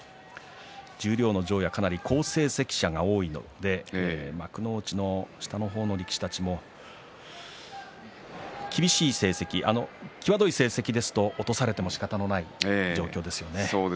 十両の上位はかなり好成績者が多いので幕内の下の方の力士たちも厳しい成績、際どい成績ですと落とされてもしかたがない状況ですね。